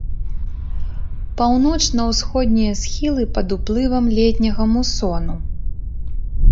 Паўночна-ўсходнія схілы пад уплывам летняга мусону.